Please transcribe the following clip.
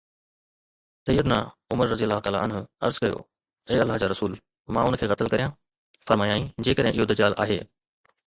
سَيِّدُنا عمر رضي الله عنه عرض ڪيو: اي الله جا رسول، مان ان کي قتل ڪريان، فرمايائين: جيڪڏهن اهو دجال آهي.